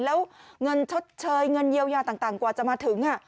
แล้วเงินชดเชยเงินเยียวยาต่างกว่าจะมาถึง